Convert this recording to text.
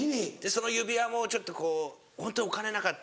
その指輪もちょっとこうホントにお金なかったんで。